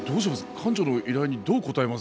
館長の依頼にどう応えます？